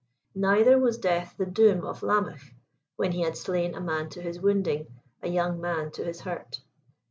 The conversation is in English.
Neither Was death the doom of Lamech, when he had slain a man to his Wounding, a young man to his hurt.